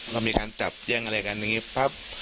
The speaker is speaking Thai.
เยี่ยงอะไรกันงี้ป๊าป